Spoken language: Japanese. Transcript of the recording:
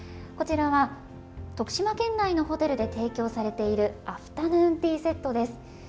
こちらは徳島県内のホテルで提供されているアフタヌーンティーセットです。